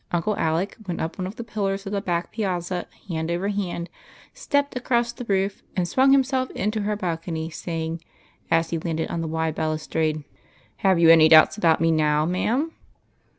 Uncle Alec went up one of the pillars of the back piazza hand over hand, stepped across the roof, and swung himself into her balcony, saying, as he landed on the wide balustrade :" Have you any doubts about me now, ma'am